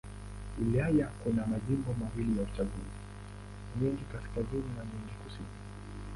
Wilayani kuna majimbo mawili ya uchaguzi: Mwingi Kaskazini na Mwingi Kusini.